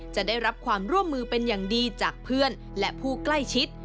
จะได้รับความร่วมมือเป็นอย่างดีจากเพื่อนและผู้ใกล้ชิด